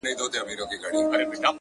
ستا سندريز روح چي په موسکا وليد- بل-